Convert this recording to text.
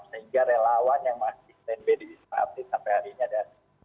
sehingga relawan yang masih stand by di wisma atlet sampai hari ini ada dua ratus dua puluh tujuh